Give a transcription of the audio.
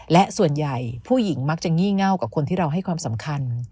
และส่วนใหญ่ผู้หญิงมักจะงี่เง่ากับคนที่เราให้ความสำคัญ